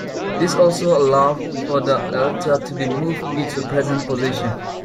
This also allowed for the altar to be moved to its present position.